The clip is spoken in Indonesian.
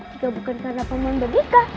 jika bukan karena paman badrika